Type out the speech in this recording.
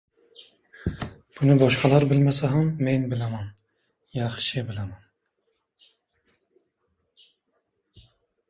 Buni boshqalar bilmasa ham, men bilaman. Yaxshi bilaman.